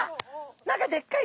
何かでっかい。